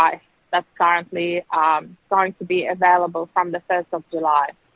yang sekarang akan diberikan dari satu juli